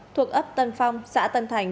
thuộc ấp tân phong xã tân thành